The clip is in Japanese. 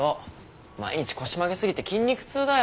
毎日腰曲げ過ぎて筋肉痛だよ。